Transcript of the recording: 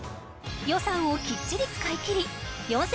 予算をきっちり使い切り四千